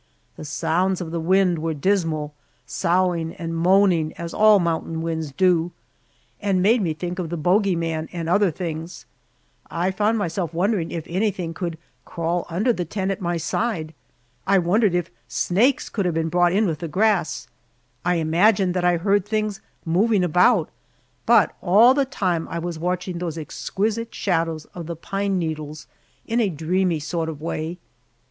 The sounds of the wind were dismal, soughing and moaning as all mountain winds do, and made me think of the Bogy man and other things. I found myself wondering if anything could crawl under the tent at my side. I wondered if snakes could have been brought in with the grass. I imagined that I heard things moving about, but all the time I was watching those exquisite shadows of the pine needles in a dreamy sort of way.